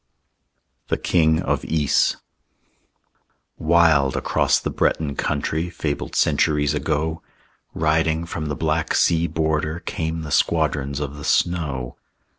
THE KING OF YS Wild across the Breton country, Fabled centuries ago, Riding from the black sea border, Came the squadrons of the snow.